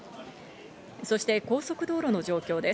そして高速道路の状況です。